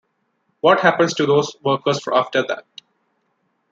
What happens to those workers after that?